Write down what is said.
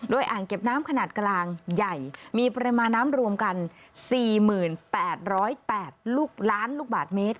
อ่างเก็บน้ำขนาดกลางใหญ่มีปริมาณน้ำรวมกัน๔๘๐๘ลูกล้านลูกบาทเมตร